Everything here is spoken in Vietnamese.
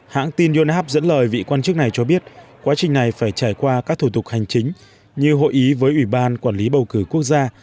hãng tin yonhap dẫn lời vị quan chức này cho biết quá trình này phải trải qua các thủ tục hành chính như hội ý với ủy ban quản lý bầu cử quốc gia